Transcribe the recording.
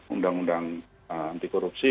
undang undang anti korupsi